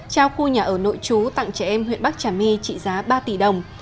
trao khu nhà ở nội trú tặng trẻ em huyện bắc trà my trị giá ba tỷ đồng